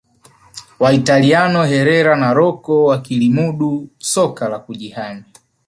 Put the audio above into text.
Waitaliano Herera na Rocco wakalilimudu soka la kujihami